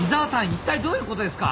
いったいどういうことですか？